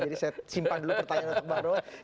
jadi saya simpan dulu pertanyaan pertanyaan ini